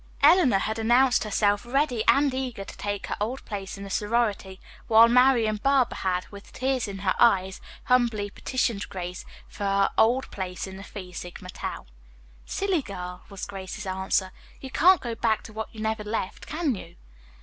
Eleanor had announced herself ready and eager to take her old place in the sorority, while Marian Barber had, with tears in her eyes, humbly petitioned Grace for her old place in the Phi Sigma Tau. "Silly girl," was Grace's answer. "You can't go back to what you never left, can you?"